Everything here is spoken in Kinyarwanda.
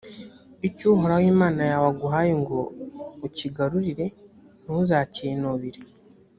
icyo uhoraho imana yawe aguhaye ngo ukigarurire ntuzakinubire;